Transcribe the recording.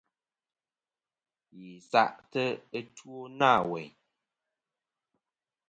Yi sa'tɨ ɨtwo na weyn.